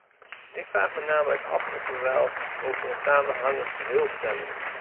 Ik vraag me namelijk af of we wel over een samenhangend geheel stemmen.